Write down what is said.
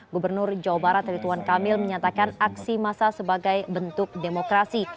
gubernur jawa barat rituan kamil menyatakan aksi massa sebagai bentuk demokrasi